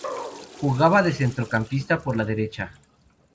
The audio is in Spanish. Jugaba de centrocampista por la derecha.